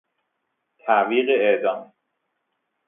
تعویق اعدام